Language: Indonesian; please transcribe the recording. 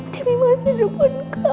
tapi masih dukung